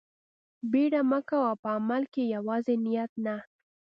بيړه مه کوه په عمل کښې يوازې نيت نه.